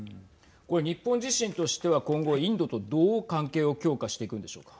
これ、日本自身としては今後インドとどう関係を強化していくんでしょうか。